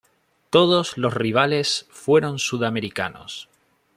Todos los rivales fueron sudamericanos.